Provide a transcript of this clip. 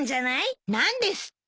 何ですって？